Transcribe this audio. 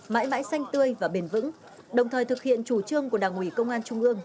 mãi mãi xanh tươi và bền vững đồng thời thực hiện chủ trương của đảng ủy công an trung ương